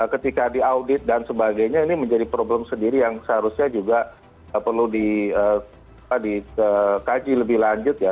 ketika diaudit dan sebagainya ini menjadi problem sendiri yang seharusnya juga perlu dikaji lebih lanjut ya